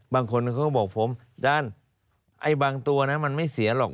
บางคนเขาก็บอกผมอาจารย์ไอ้บางตัวนะมันไม่เสียหรอก